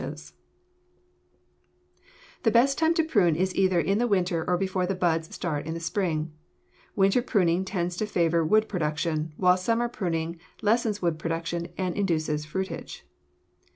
Unthinned] [Illustration: FIG. 76. Properly thinned] The best time to prune is either in the winter or before the buds start in the spring. Winter pruning tends to favor wood production, while summer pruning lessens wood production and induces fruitage.